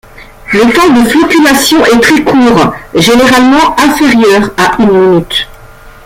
Le temps de floculation est très court, généralement inférieur à une minute.